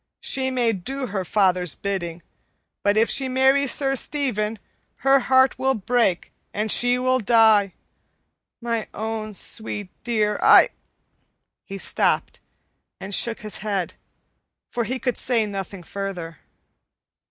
She may do her father's bidding, but if she marries Sir Stephen, her heart will break and she will die. My own sweet dear, I " He stopped and shook his head, for he could say nothing further.